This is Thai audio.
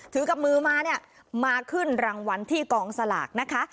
กับมือมาเนี่ยมาขึ้นรางวัลที่กองสลากนะคะ